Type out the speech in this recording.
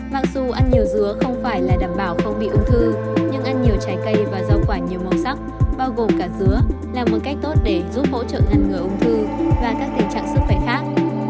mặc dù ăn nhiều dứa không phải là đảm bảo không bị ung thư nhưng ăn nhiều trái cây và rau quả nhiều màu sắc bao gồm cả dứa là một cách tốt để giúp hỗ trợ ngăn ngừa ung thư và các tình trạng sức khỏe khác